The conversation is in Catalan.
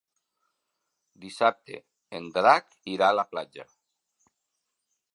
Dissabte en Drac irà a la platja.